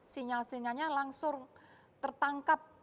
sinyal sinyalnya langsung tertangkap